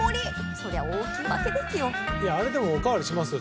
そりゃ大きいわけですよ。